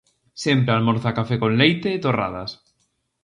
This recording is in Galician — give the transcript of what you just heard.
Sempre almorza café con leite e torradas.